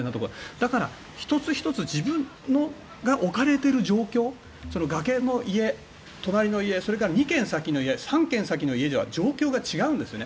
だから、１つ１つ自分が置かれている状況崖の家、隣の家それから２軒先の家３軒先の家では状況が違うんですね。